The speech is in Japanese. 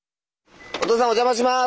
おとうさんお邪魔します！